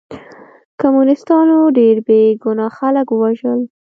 کمونستانو ډېر بې ګناه خلک ووژل